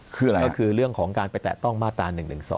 คืออะไรก็คือเรื่องของการไปแตะต้องมาตรา๑๑๒